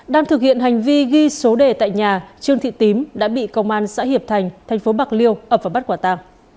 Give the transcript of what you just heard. đang thực hiện hành vi ghi số đề tại nhà trương thị tím đã bị công an xã hiệp thành thành phố bạc liêu ập vào bắt quả ta